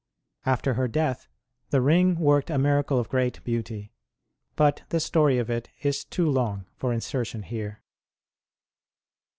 After her death the ring worked a miracle of great beauty; but the story of it is too long for insertion here.